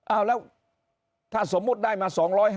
เอาแล้วถ้าสมมุติได้มา๒๕๐